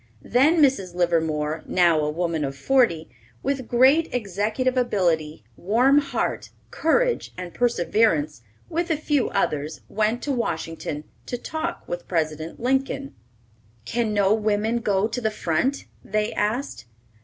Then Mrs. Livermore, now a woman of forty, with great executive ability, warm heart, courage, and perseverance, with a few others, went to Washington to talk with President Lincoln. "Can no women go to the front?" they asked.